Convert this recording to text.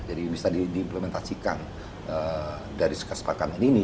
jadi bisa diimplementasikan dari sepakatan ini